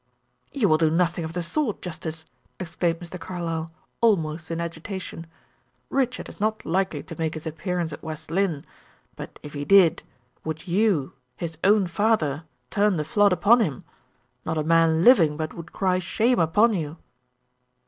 "You will do nothing of the sort justice," exclaimed Mr. Carlyle, almost in agitation. "Richard is not likely to make his appearance at West Lynne; but if he did, would you, his own father, turn the flood upon him? Not a man living but would cry shame upon you."